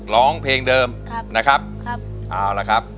ร้องเพลงเดิมครับนะครับเอาละครับ